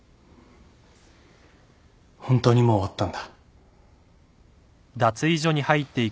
本当にもう終わったんだ。